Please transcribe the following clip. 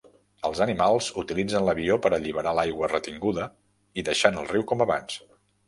Els animals utilitzen l'avió per alliberar l'aigua retinguda i deixant el riu com abans.